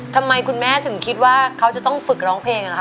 ทำไมคุณแม่ถึงคิดว่าเขาจะต้องฝึกร้องเพลงอะคะ